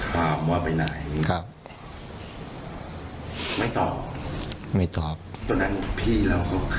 ถามว่าไปไหนครับไม่ตอบไม่ตอบตอนนั้นพี่แล้วเขา